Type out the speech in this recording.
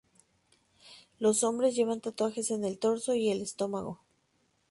Los hombre llevan tatuajes en el torso y el estómago.